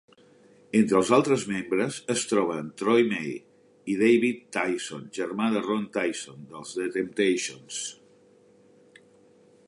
Entre els altres membres, es troben Troy May i David Tyson, germà de Ron Tyson, dels The Temptations.